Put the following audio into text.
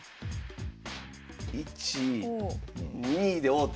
１２で王手。